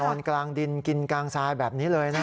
นอนกลางดินกินกลางทรายแบบนี้เลยนะ